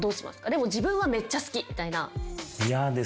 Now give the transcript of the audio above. でも自分はめっちゃ好きみたいな。